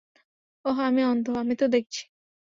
ওহ আমি অন্ধ, আমি তো দেখছি।